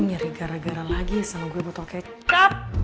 lo nyari gara gara lagi sama gue botol kecap